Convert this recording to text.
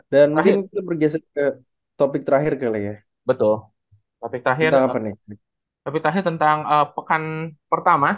dan bergeser ke topik terakhir kali ya betul tapi terakhir apa nih tapi tanya tentang pekan pertama